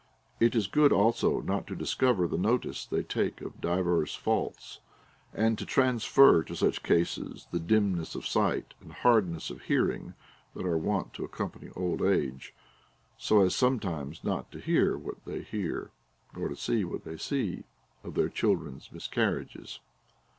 It is good also not to discover the notice they take of divers faults, and to transfer to such OF THE TRAINING OF CHILDREN. 31 cases that dimness of sight and hardness of hearing that are wont to accompany old age ; so as sometimes not to hear what they hear, nor to see what tliey see, of their children's miscarriages.